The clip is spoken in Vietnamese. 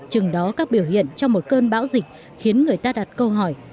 trừng đó các biểu hiện trong một cơn bão dịch khiến người ta không thể tìm ra những người tăng trưởng